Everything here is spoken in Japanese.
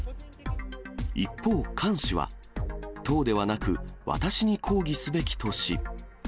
一方、菅氏は、党ではなく、私に抗議すべきとし。